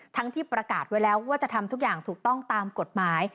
ที่ประกาศไว้แล้วว่าจะทำทุกอย่างถูกต้องตามกฎหมาย